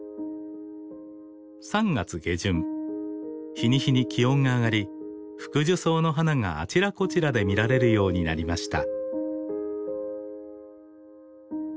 日に日に気温が上がりフクジュソウの花があちらこちらで見られるようになりました。